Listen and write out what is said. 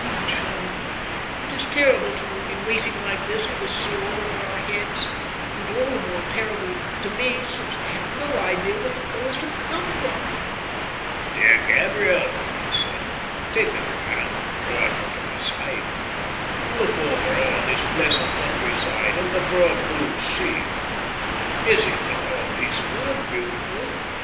Oh, John, it is terrible to be waiting like this with a sword over our heads and all the more terrible to me since I have no idea where the blow is to come from." "Dear Gabriel," I said, taking her hand and drawing her to my side, "look over all this pleasant countryside and the broad blue sea. Is it not all peaceful and beautiful?